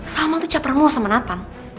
salmah tuh capermu sama nathan